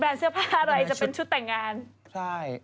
แบรนด์เสื้อผ้าอะไรจะเป็นชุดแต่งงาน